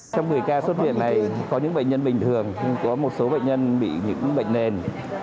trong một mươi ca xuất viện này có những bệnh nhân bình thường có một số bệnh nhân bị những bệnh nền